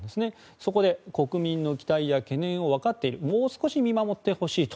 そこで国民の期待や懸念を分かっているもう少し見守ってほしいと。